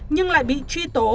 nhưng lại bị truy tố